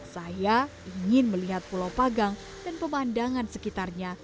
saya ingin melihat pulau pagang dan pemandangan sekitarnya